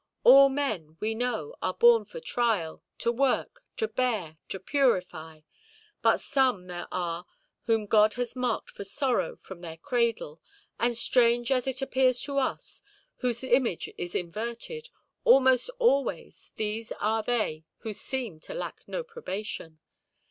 All men, we know, are born for trial, to work, to bear, to purify; but some there are whom God has marked for sorrow from their cradle. And strange as it appears to us, whose image is inverted, almost always these are they who seem to lack no probation.